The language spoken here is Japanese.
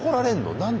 何で？